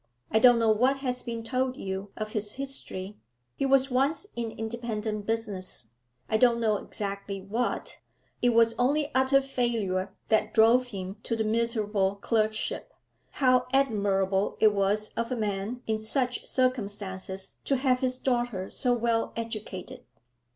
I don't know what has been told you of his history. He was once in independent business; I don't know exactly what. It was only utter failure that drove him to the miserable clerkship. How admirable it was of a man in such circumstances to have his daughter so well educated!'